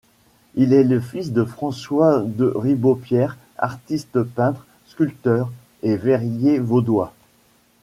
Il est le fils de François de Ribaupierre, artiste peintre, sculpteur et verrier vaudois.